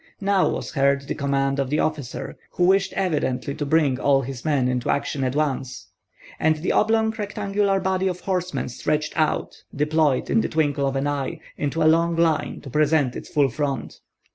Now was heard the command of the officer, who wished evidently to bring all his men into action at once; and the oblong rectangular body of horsemen stretched out, deployed in the twinkle of an eye, into a long line to present its whole front.